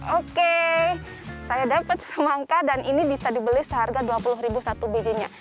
oke saya dapat semangka dan ini bisa dibeli seharga dua puluh satu bijinya